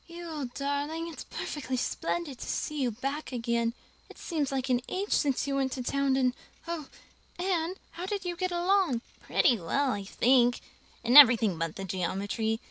"You old darling, it's perfectly splendid to see you back again. It seems like an age since you went to town and oh, Anne, how did you get along?" "Pretty well, I think, in everything but the geometry.